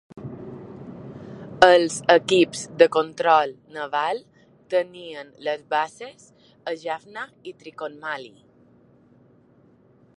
Els equips de control naval tenien les bases a Jaffna i Trincomalee.